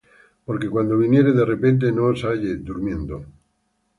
Porque cuando viniere de repente, no os halle durmiendo.